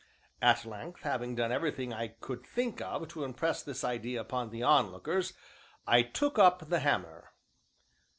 At length, having done everything I could think of to impress this idea upon the onlookers, I took up the hammer.